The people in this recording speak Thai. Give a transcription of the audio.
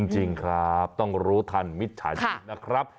จริงครับต้องรู้ทันมิจฉาชีพนะครับ